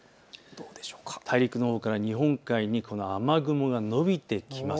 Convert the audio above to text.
大陸のほうから日本海に雨雲が延びてきます。